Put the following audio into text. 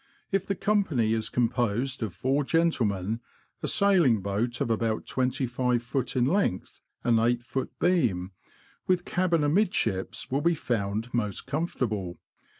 If the company is composed of four gentlemen, a sailing boat of about 25ft. in length and 8ft. beam, with cabin amidships, will be found most comfortable.